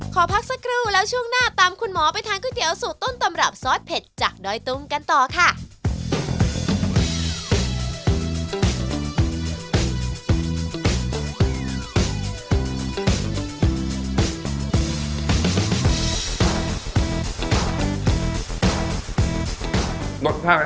ขอพักสักครู่แล้วช่วงหน้าตามคุณหมอไปทานก๋วเตี๋ยสูตรต้นตำรับซอสเผ็ดจากดอยตุ้งกันต่อค่ะ